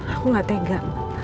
aku gak tega